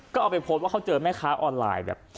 ก็เอาไปโพสต์ว่าเขาเจอแม่ค้าออนไลน์แบบ